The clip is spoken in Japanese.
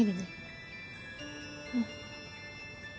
うん。